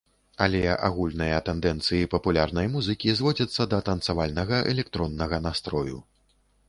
Але агульныя тэндэнцыі папулярнай музыкі зводзяцца да танцавальнага электроннага настрою.